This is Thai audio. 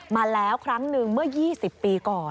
มาแล้วครั้งหนึ่งเมื่อ๒๐ปีก่อน